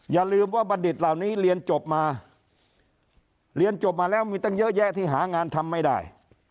อย่าลืมว่าบัณฑิตเหล่านี้เรียนจบมาเรียนจบมาแล้วมีตั้งเยอะแยะที่หางานทำไม่ได้